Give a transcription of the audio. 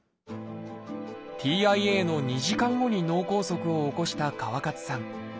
「ＴＩＡ」の２時間後に脳梗塞を起こした川勝さん。